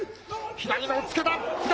左の押っつけだ。